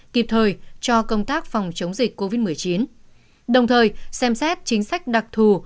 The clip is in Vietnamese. kịp thời cho công tác phòng chống dịch covid một mươi chín đồng thời xem xét chính sách đặc thù